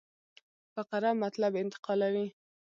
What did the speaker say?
فقره مطلب انتقالوي.